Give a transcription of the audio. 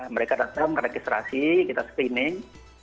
mereka datang meregistrasi kita screening